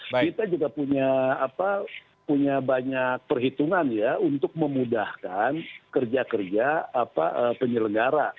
kita juga punya banyak perhitungan ya untuk memudahkan kerja kerja penyelenggara